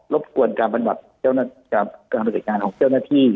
รบกวนการประกันการผู้เจ้าหน้าที่